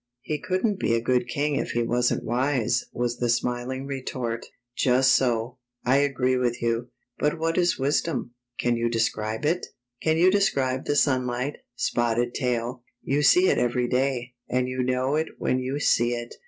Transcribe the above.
" He couldn't be a good king if he wasn't wise," was the smiling retort. ''Just so. I agree with you. But what is wisdom? Can you describe it? "" Can you describe the sunlight. Spotted Tail? You see it every day, and you know it when you see it.